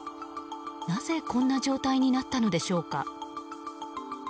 なぜこんな状態になったのでしょうか。